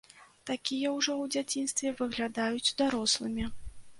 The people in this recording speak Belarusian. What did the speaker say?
Такія ўжо у дзяцінстве выглядаюць дарослымі.